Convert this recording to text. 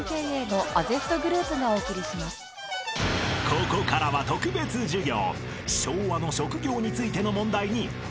［ここからは特別授業］